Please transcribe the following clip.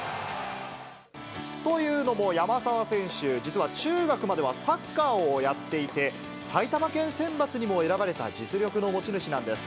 というのも、山沢選手、実は中学まではサッカーをやっていて、埼玉県選抜にも選ばれた実力の持ち主なんです。